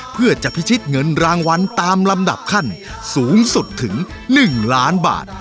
เพื่อจะพิชิตเงินรางวัลตามลำดับขั้นสูงสุดถึง๑ล้านบาท